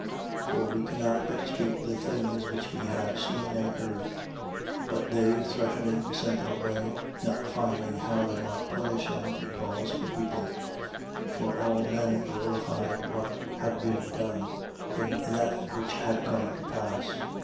4:20. For we cannot but speak the things which we have seen and heard. 4:21. But they, threatening, sent them away, not finding how they might punish them, because of the people: for all men glorified what had been done, in that which had come to pass.